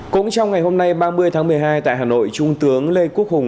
cũng trong ngày hôm nay ba mươi tháng một mươi hai tại hà nội trung tướng lê quốc hùng